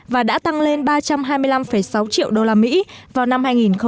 và đã tăng lên ba trăm hai mươi năm sáu triệu usd vào năm hai nghìn một mươi sáu